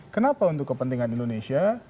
kenapa untuk kepentingan indonesia